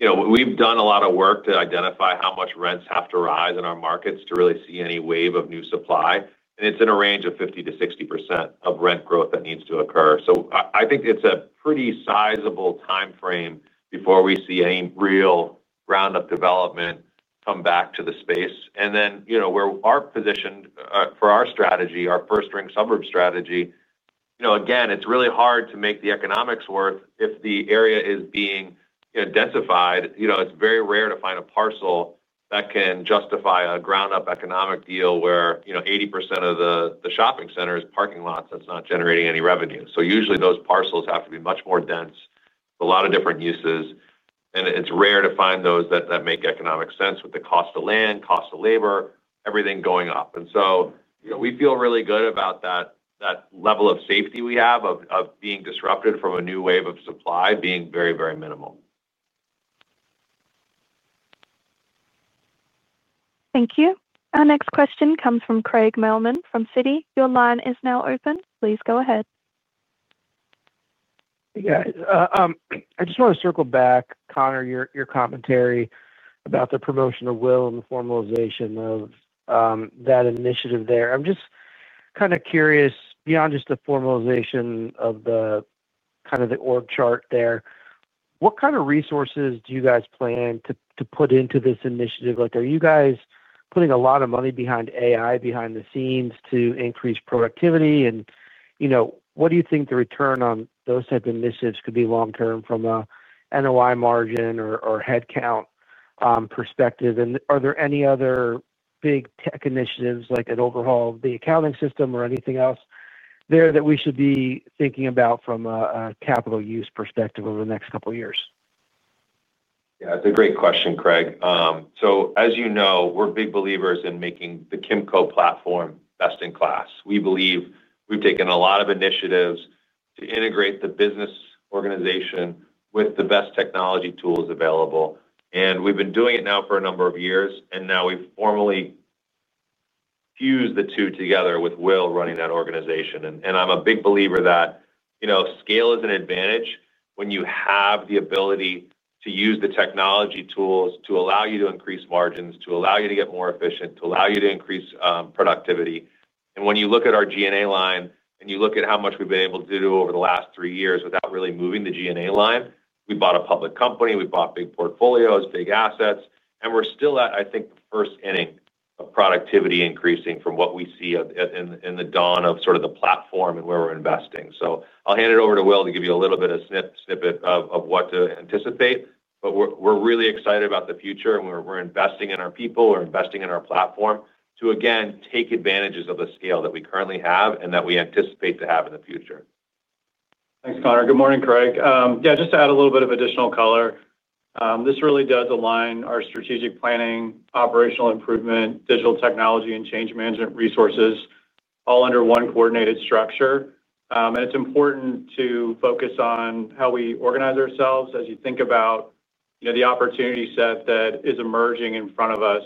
We've done a lot of work to identify how much rents have to rise in our markets to really see any wave of new supply, and it's in a range of 50%-60% of rent growth that needs to occur. I think it's a pretty sizable time frame before we see any real ground up development come back to the space. Where our position for our strategy, our first ring suburb strategy, again, it's really hard to make the economics work if the area is being densified. It's very rare to find a parcel that can justify a ground up economic deal where 80% of the shopping center is parking lots that's not generating any revenue. Usually those parcels have to be much more dense, a lot of different uses, and it's rare to find those that make economic sense with the cost of land, cost of labor, everything going up. We feel really good about that. That level of safety we have of being disrupted from a new wave of supply being very, very minimal. Thank you. Our next question comes from Craig Mailman from Citigroup. Your line is now open. Please go ahead. Yeah, I just want to circle back. Conor, your commentary about the promotion of Will and the formalization of that initiative there. I'm just kind of curious beyond just the formalization of the kind of the org chart there, what kind of resources do you guys plan to put into this initiative? Like are you guys putting a lot of money behind AI, behind the scenes to increase productivity? You know, what do you think the return on those type of initiatives could be long term from a NOI margin or headcount perspective? Are there any other big tech initiatives like an overhaul of the accounting system or anything else there that we should be thinking about from a capital use perspective over the next couple years? Yeah, it's a great question, Craig. As you know, we're big believers in making the Kimco Realty platform best in class. We believe we've taken a lot of initiatives to integrate the business organization with the best technology tools available. We've been doing it now for a number of years. Now we formally fused the two together with Will running that organization. I'm a big believer that scale is an advantage when you have the ability to use the technology tools to allow you to increase margins, to allow you to get more efficient, to allow you to increase productivity. When you look at our G&A line and you look at how much we've been able to do over the last three years without really moving the G&A line, we bought a public company, we bought big portfolios, big assets, and we're still at, I think, the first inning of productivity increasing from what we see in the dawn of the platform and where we're investing. I'll hand it over to Will to give you a little bit of snippet of what to anticipate, but we're really excited about the future and we're investing in our people, we're investing in our platform to again, take advantages of the scale that we currently have and that we anticipate to have in the future. Thanks, Conor. Good morning, Craig. Just to add a little bit of additional color, this really does align our strategic planning, operational improvement, digital technology, and change management resources all under one coordinated structure. It's important to focus on how we organize ourselves. As you think about the opportunity set that is emerging in front of us,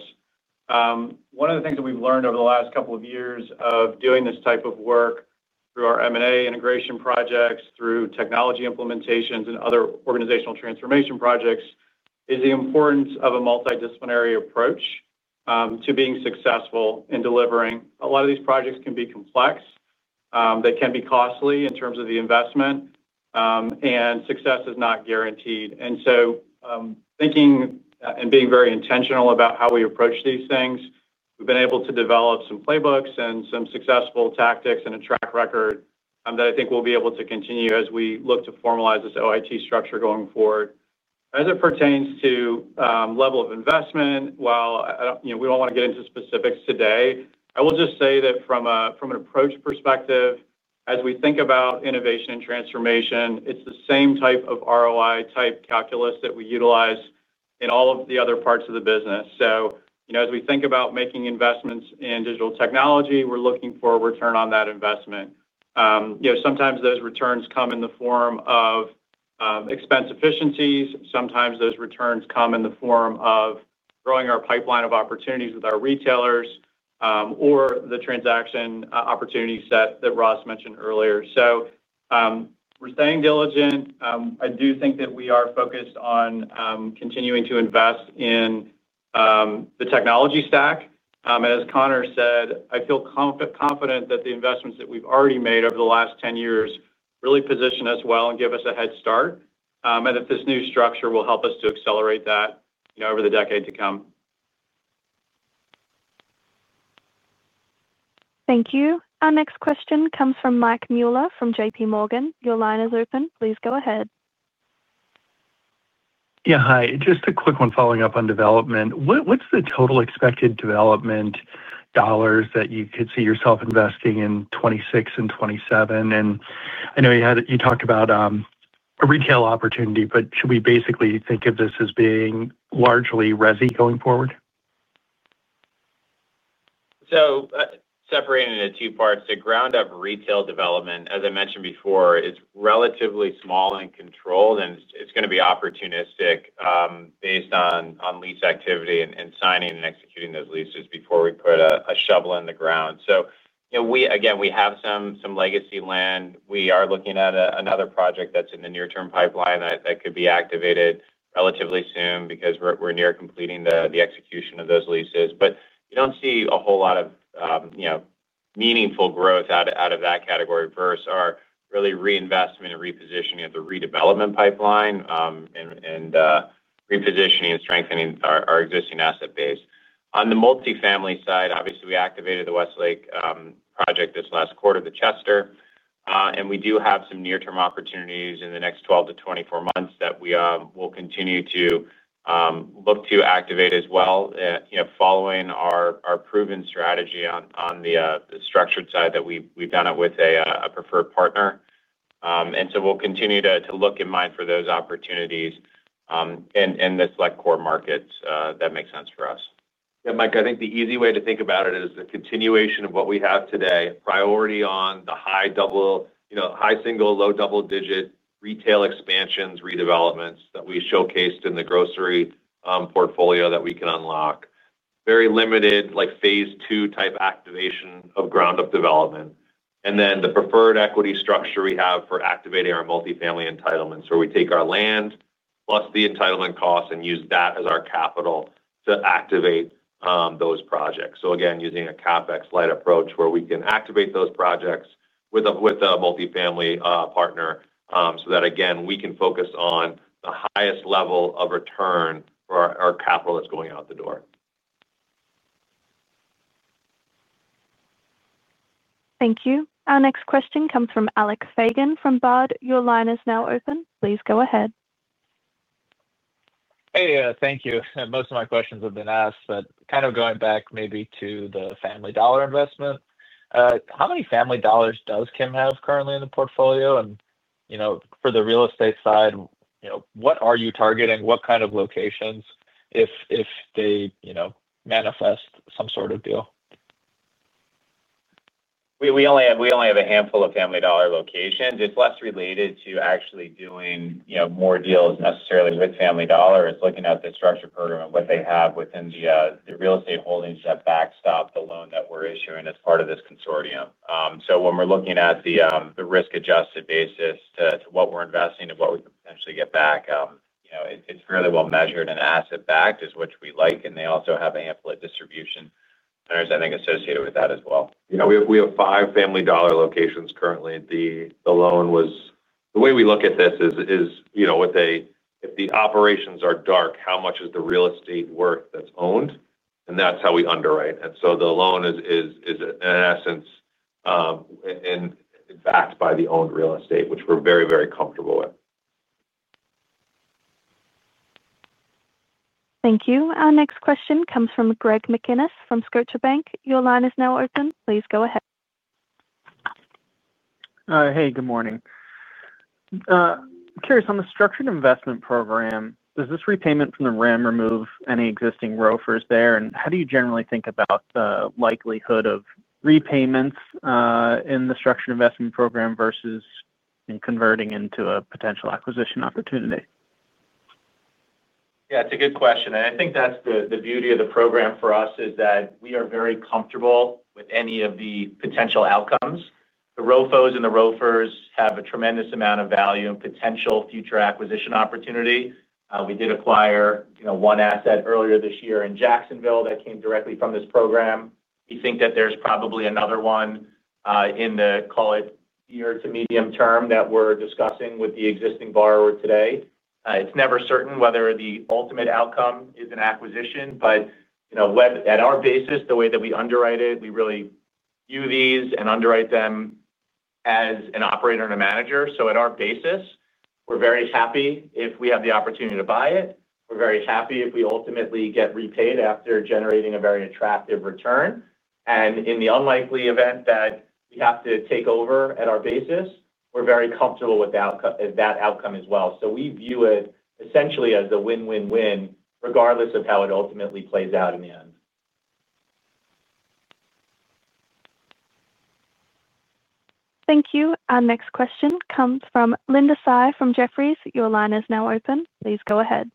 one of the things that we've learned over the last couple of years of doing this type of work through our M&A integration projects, through technology implementations and other organizational transformation projects, is the importance of a multidisciplinary approach to being successful in delivering. A lot of these projects can be complex, they can be costly in terms of the investment, and success is not guaranteed. Thinking and being very intentional about how we approach these things, we've been able to develop some playbooks and some successful tactics and a track record that I think we'll be able to continue as we look to formalize this OIT structure going forward as it pertains to level of investment. While we don't want to get into specifics today, I will just say that from an approach perspective, as we think about innovation and transformation, it's the same type of ROI type calculus that we utilize in all of the other parts of the business. As we think about making investments in digital technology, we're looking for a return on that investment. Sometimes those returns come in the form of expense efficiencies. Sometimes those returns come in the form of growing our pipeline of opportunities with our retailers or the transaction opportunity set that Ross mentioned earlier. Staying diligent, I do think that we are focused on continuing to invest in the technology stack. As Conor said, I feel confident that the investments that we've already made over the last 10 years really position us well and give us a head start and that this new structure will help us to accelerate that over the decade to come. Thank you. Our next question comes from Mike Mueller from JPMorgan. Your line is open. Please go ahead. Yeah, hi. Just a quick one. Following up on development, what's the total expected development dollars that you could see yourself investing in 2026 and 2027.I know you talked about a retail opportunity, but should we basically think of this as being largely resi going forward? Separating into two parts, the ground up retail development, as I mentioned before, it's relatively small and controlled and it's going to be opportunistic based on lease activity and signing and executing those leases before we put a shovel in the ground. We have some legacy land. We are looking at another project that's in the near term pipeline that could be activated relatively soon because we're near completing the execution of those leases. You don't see a whole lot of meaningful growth out of that category versus our reinvestment and repositioning of the redevelopment pipeline and repositioning and strengthening our existing asset base. On the multifamily side, obviously we activated the Westlake project this last quarter, The Chester, and we do have some near term opportunities in the next 12 to 24 months that we will continue to look to activate as well following our proven strategy on the structured side that we've done with a preferred partner. We'll continue to look and mine for those opportunities in the select core markets that make sense for us. Mike, I think the easy way to think about it is the continuation of what we have today. Priority on the high single, low double digit retail expansions, redevelopments that we showcased in the grocery portfolio that we can unlock, very limited like phase 2 type activation of ground up development, and then the preferred equity structure we have for activating our multifamily entitlements where we take our land plus the entitlement costs and use that as our capital to activate those projects. Again, using a CapEx light approach where we can activate those projects with a multifamily partner so that we can focus on the highest level of return for our capital that's going out the door. Thank you. Our next question comes from Alec Feygin from Baird. Your line is now open. Please go ahead. Hey, thank you. Most of my questions have been asked, but kind of going back maybe to the Family Dollar investment. How many Family Dollars does Kimco have currently in the portfolio? For the real estate side, you know, what are you targeting? What kind of locations, if they, you.now, manifest some sort of deal? We only have a handful of Family Dollar locations. It's less related to actually doing more deals necessarily with Family Dollar. It's looking at the structured program and what they have within the real estate holdings that backstop the loan that we're issuing as part of this consortium. When we're looking at the risk-adjusted basis to what we're investing and what we can potentially get back, it's fairly well measured and asset-backed, which we like, and they also have ample distribution centers, I think, associated with that as well. You know, we have five Family Dollar locations currently. The loan was, the way we look at this is, you know, what they, if the operations are dark, how much is the real estate worth that's owned and that's how we underwrite, and so the loan is in essence backed by the owned real estate, which we're very, very comfortable with. Thank you. Our next question comes from Greg McGinniss from Scotiabank. Your line is now open. Please go. Hey, good morning. Curious on the structured investment program, does this repayment from the RIM remove any existing rovers there? How do you generally think about the likelihood of repayments in the structured investment program versus converting into a potential acquisition opportunity? Yeah, it's a good question, and I think that's the beauty of the program for us is that we are very comfortable with any of the potential outcomes. The ROFOs and the ROFRs have a tremendous amount of value and potential future acquisition opportunity. We did acquire one asset earlier this year in Jacksonville that came directly from this program. We think that there's probably another one in the, call it, year to medium term that we're discussing with the existing borrower today. It's never certain whether the ultimate outcome is an acquisition, but at our basis, the way that we underwrite it, we really view these and underwrite them as an operator and a manager. At our basis, we're very happy if we have the opportunity to buy it. We're very happy if we ultimately get repaid after generating a very attractive return. In the unlikely event that we have to take over at our basis, we're very comfortable with that outcome as well. We view it essentially as a win, win, win, regardless of how it ultimately plays out in the end. Thank you. Our next question comes from Linda Tsai from Jefferies. Your line is now open. Please go ahead.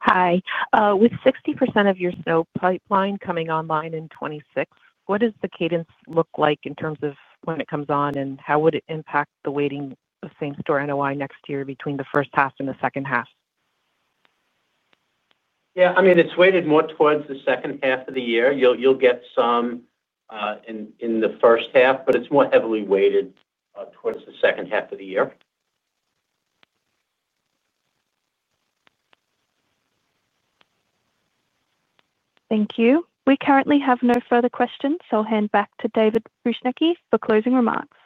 Hi. With 60% of your SNO pipeline coming online in 2026, what does the cadence look like in terms of when it comes on and how would it impact the weighting of same store NOI next year between the first half and the second half? Yeah, I mean, it's weighted more towards the second half of the year. You'll get some in the first half but it is more heavily weighted towards the cecond half of the year. Thank you. We currently have no further questions, so I'll hand back to David Bujnicki for closing remarks.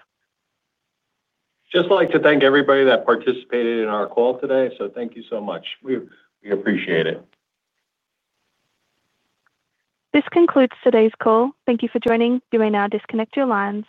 Just like to thank everybody that participated. Thank you so much. We appreciate it. This concludes today's call. Thank you for joining. You may now disconnect your lines.